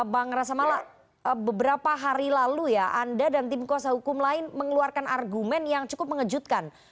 bang rasamala beberapa hari lalu ya anda dan tim kuasa hukum lain mengeluarkan argumen yang cukup mengejutkan